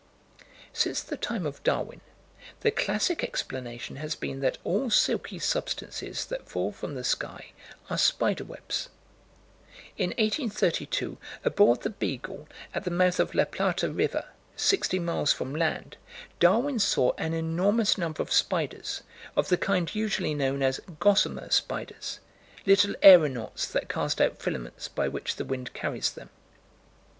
Since the time of Darwin, the classic explanation has been that all silky substances that fall from the sky are spider webs. In 1832, aboard the Beagle, at the mouth of La Plata River, 60 miles from land, Darwin saw an enormous number of spiders, of the kind usually known as "gossamer" spiders, little aeronauts that cast out filaments by which the wind carries them.